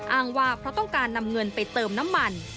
อ้างว่าเพราะต้องการนำเงินไปเติมน้ำมัน